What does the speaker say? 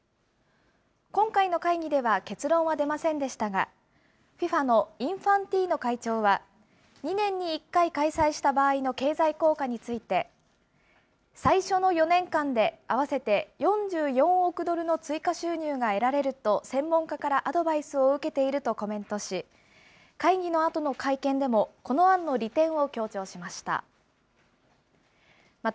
今回の会議では結論は出ませんでしたが、ＦＩＦＡのインファンティーノ会長は、２年に１回開催した場合の経済効果について、最初の４年間で合わせて４４億ドルの追加収入が得られると専門家からアドバイスを受けているとコメントし、会議のあとの会見でも、この案の利点を強調しました。